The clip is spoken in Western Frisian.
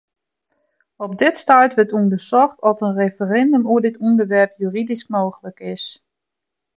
Op dit stuit wurdt ûndersocht oft in referindum oer dit ûnderwerp juridysk mooglik is.